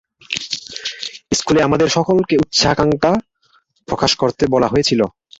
স্কুলে, আমাদের সকলকে উচ্চাকাঙ্ক্ষা প্রকাশ করতে বলা হয়েছিল।